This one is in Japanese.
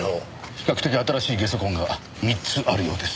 比較的新しい下足痕が３つあるようです。